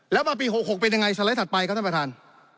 แล้วมาปี๖๖เป็นยังไงสไลด์ถัดไปครับท่านประธาน